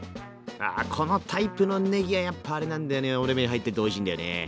あこのタイプのねぎはやっぱあれなんだよねお鍋に入ってるとおいしいんだよね。